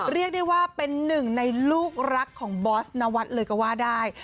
เรียกได้ว่าเป็นหนึ่งในลูกรักของบอสนวัฒน์เลยก็ว่าได้